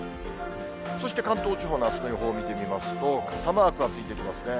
そして関東地方のあすの予報を見てみますと、傘マークついてきますね。